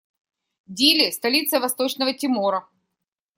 Дили - столица Восточного Тимора.